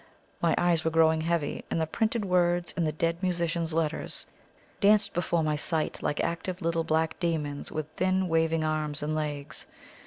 My eyes were growing heavy, and the printed words in the "Dead Musician's Letters" danced before my sight like active little black demons with thin waving arms and legs.